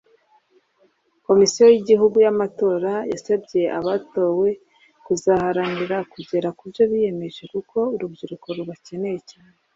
Komisiyo y’igihugu y’Amatora yasabye abatowe kuzaharanira kugera kubyo biyemeje kuko urubyiruko rubakeneye cyane